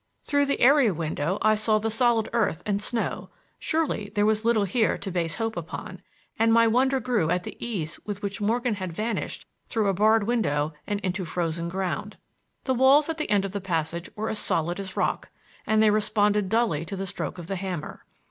Through the area window I saw the solid earth and snow; surely there was little here to base hope upon, and my wonder grew at the ease with which Morgan had vanished through a barred window and into frozen ground. The walls at the end of the passage were as solid as rock, and they responded dully to the stroke of the hammer.